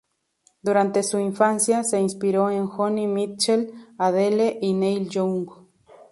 Durante su infancia, se inspiró en Joni Mitchell, Adele y Neil Young.